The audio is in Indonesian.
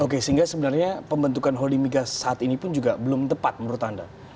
oke sehingga sebenarnya pembentukan holding migas saat ini pun juga belum tepat menurut anda